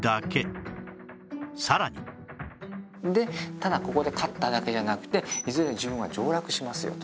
さらにでただここで勝っただけじゃなくていずれ自分は上洛しますよと。